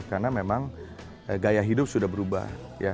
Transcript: karena memang gaya hidup sudah berubah